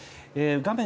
画面